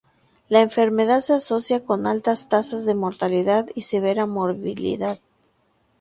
La enfermedad se asocia con altas tasas de mortalidad y severa morbilidad.